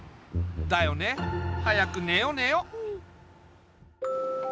だよね。早くねよねよ。